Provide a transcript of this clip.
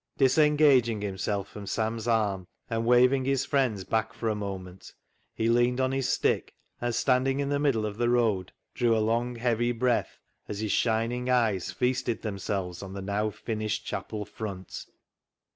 Disengag ing himself from Sam's arm, and waving his friends back for a moment he leaned on his stick, and, standing in the middle of the road, drew a long, heavy breath, as his shining eyes feasted themselves on the now finished chapel front.